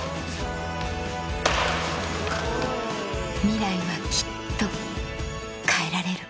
ミライはきっと変えられる